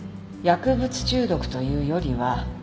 薬物中毒というよりは。